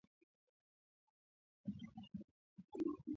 Walipishana na wanamuungano ambao kwa ujumla walimshinikiza Jackson juu ya mada